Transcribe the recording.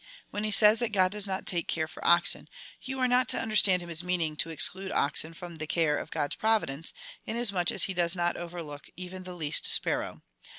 When he says, that God does not take care for oxen, you are not to understand him as meaning to exclude oxen from the care of God's Providence, inasmuch as he does not overlook even the least sparrow.